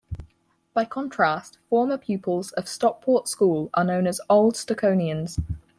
By contrast, former pupils of Stockport School are known as Old Stoconians.